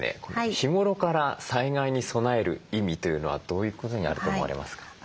日頃から災害に備える意味というのはどういうことにあると思われますか？